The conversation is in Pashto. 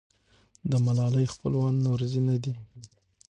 د ملالۍ خپلوان نورزي نه دي.